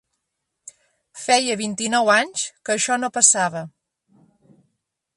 Feia vint-i-nou anys que això no passava.